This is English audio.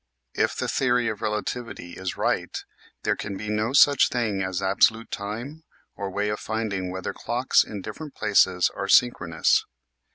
If the theory of relativity is right there can be no such thing as absolute time or way of finding whether clocks in different places are synchronous.